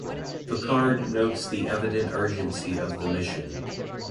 Picard notes the evident urgency of the mission.